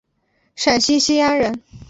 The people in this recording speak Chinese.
陕西西安人。